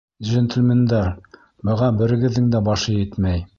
Джентльмендар, быға берегеҙҙеңдә башы етмәй.